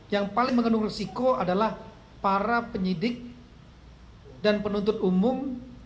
yang paling mengandung resiko adalah para penyidik dan penuntut umum